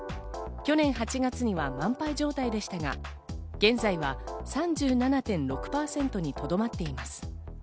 去年８月には満杯状態でしたが、現在は３７．６％にとどまっています。